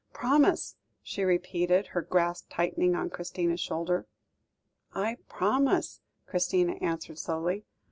"Promise," she repeated, her grasp tightening on Christina's shoulder. "I promise," Christina answered slowly.